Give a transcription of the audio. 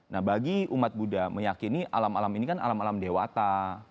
nah bagi umat buddha meyakini alam alam ini kan alam alam dewata